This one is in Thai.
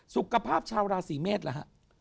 สุขภาพชาวราศีเมษร์ละฮะ